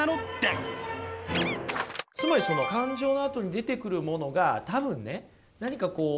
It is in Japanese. つまりその感情のあとに出てくるものが多分ね何かこう